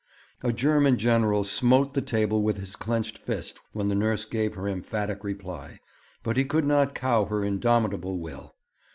A German general smote the table with his clenched fist when the nurse gave her emphatic reply, but he could not cow her indomitable will.